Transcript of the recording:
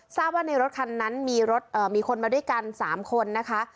ทราบว่าในรถคันนั้นมีคนมาด้วยกัน๓คนนะคะ